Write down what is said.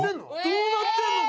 どうなってんの？